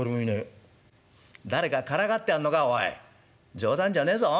冗談じゃねえぞ。